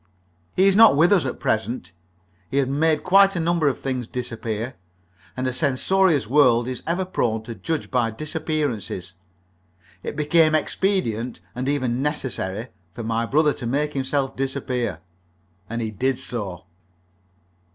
He is not with us at present. He had made quite a number of things disappear, and a censorious world is ever prone to judge by disappearances. It became expedient and even necessary for my brother to make himself disappear, and he did so.